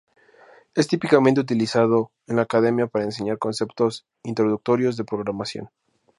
Es típicamente utilizado en la academia para enseñar conceptos introductorios de programación.